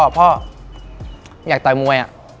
พ่ออยากต่อยมวย